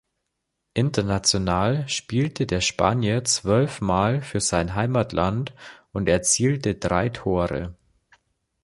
International spielte der Spanier zwölf Mal für sein Heimatland und erzielte drei Tore.